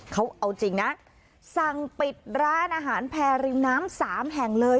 เขาเอาจริงนะสั่งปิดร้านอาหารแพรริมน้ำสามแห่งเลย